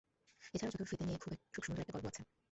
এছাড়াও জুতোর ফিতা নিয়েও খুব সুন্দর একটা গল্প আছে।